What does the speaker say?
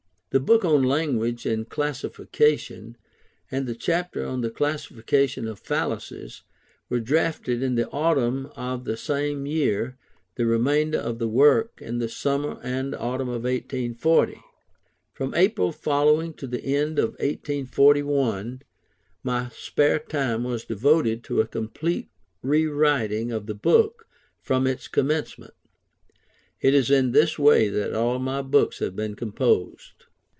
The Book on Language and Classification, and the chapter on the Classification of Fallacies, were drafted in the autumn of the same year; the remainder of the work, in the summer and autumn of 1840. From April following to the end of 1841, my spare time was devoted to a complete rewriting of the book from its commencement. It is in this way that all my books have been composed.